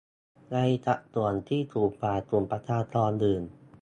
ในสัดส่วนที่สูงกว่ากลุ่มประชากรอื่น